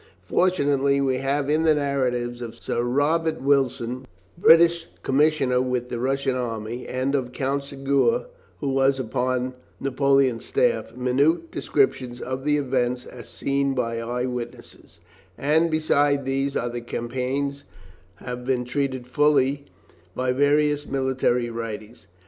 Fortunately, we have in the narratives of Sir Robert Wilson, British commissioner with the Russian army, and of Count Segur, who was upon Napoleon's staff, minute descriptions of the events as seen by eye witnesses, and besides these the campaign has been treated fully by various military writers.